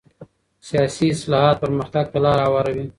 سیاسي اصلاحات پرمختګ ته لاره هواروي